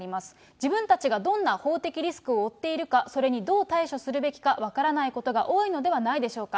自分たちがどんな法的リスクを負っているか、それにどう対処するべきか、分からないことが多いのではないでしょうか。